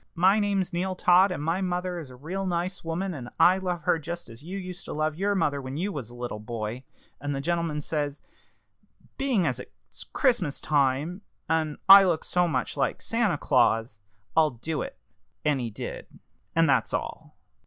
My name's Neal Todd, and my mother is a real nice woman, and I love her just as you used to love your mother when you was a little boy.' And the gentleman, says he, 'Being as it's Christmas time, and I look so much like Santa Claus, I'll do it.' And he did. And that's all." Mr.